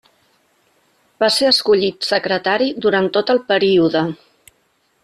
Va ser escollit secretari durant tot el període.